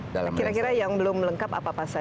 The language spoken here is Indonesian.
kira kira yang belum lengkap apa apa saja